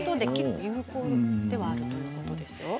有効ではあるということです。